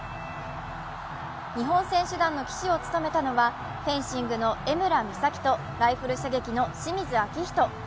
日本選手団の旗手を務めたのはフェンシングの江村美咲とライフル射撃の清水彰人。